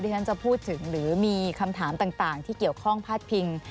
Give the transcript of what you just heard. ฉันจะพูดถึงหรือมีคำถามต่างที่เกี่ยวข้องพาดพิง